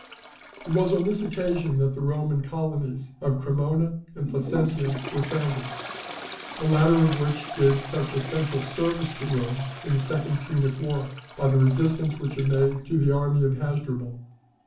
It was on this occasion that the Roman colonies of Cremona and Placentia were founded, the latter of which did such essential service to Rome in the second Punic war, by the resistance which it made to the army of Hasdrubal.